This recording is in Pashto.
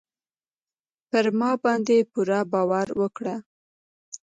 پر ما باندې پوره باور وکړئ.